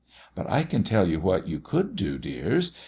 But I can tell you what you could do, dears.